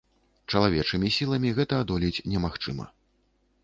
Чалавечымі сіламі гэта адолець немагчыма.